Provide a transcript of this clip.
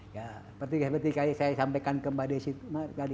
ya seperti yang saya sampaikan ke mbak desy tadi